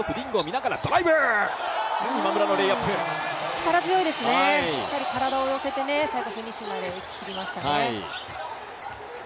力強いですね、しっかり体を寄せて最後フィニッシュまでいききりましたね。